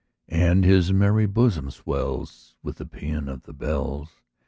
And his merry bosom swells With the paean of the bells!